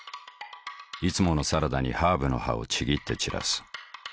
いつものサラダにハーブの葉をちぎって散らす。